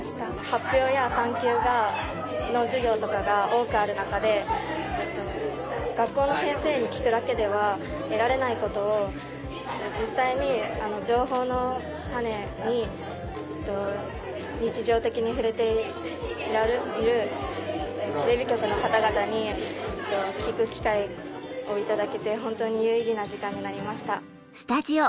発表や「探究」の授業とかが多くある中で学校の先生に聞くだけでは得られないことを実際に情報のタネに日常的に触れているテレビ局の方々に聞く機会をいただけて本当に有意義な時間になりました。